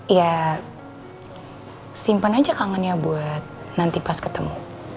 iya simpen aja kangennya buat nanti pas ketemu